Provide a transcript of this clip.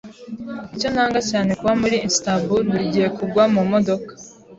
Icyo nanga cyane kuba muri Istanbul burigihe kugwa mumodoka.